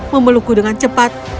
memelukku dengan cepat